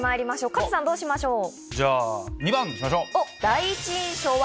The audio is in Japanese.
カズさんどうしましょう？